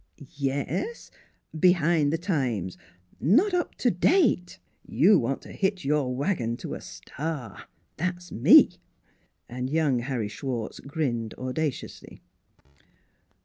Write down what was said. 'Yes; behind the times not up to date. You want to hitch your wagon to a star that's me !" And young Harry Schwartz grinned auda ciously.